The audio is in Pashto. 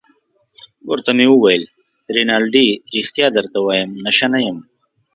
ورته ومې ویل: رینالډي ريښتیا درته وایم، نشه نه یم.